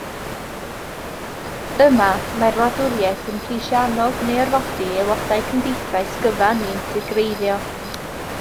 Yma, mae'r wladwriaeth yn ceisio annog neu orfodi aelodau cymdeithas gyfan i integreiddio.